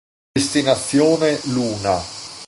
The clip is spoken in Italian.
Destinazione Luna